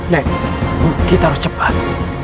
nek kita harus cepat